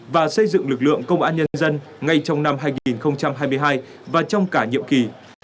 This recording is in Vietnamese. và xây dựng lực lượng công an nhân dân ngay trong năm hai nghìn hai mươi hai và trong cả nhiệm kỳ